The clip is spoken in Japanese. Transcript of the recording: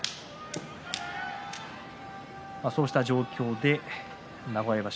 そうした状況で名古屋場所